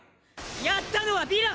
やったのはヴィラン！